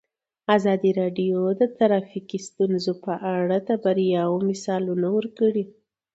ازادي راډیو د ټرافیکي ستونزې په اړه د بریاوو مثالونه ورکړي.